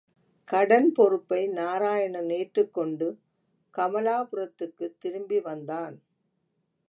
கடன் பொறுப்பை நாராயணன் ஏற்றுக்கொண்டு, கமலாபுரத்துக்குத் திரும்பி வ்ந்தான்.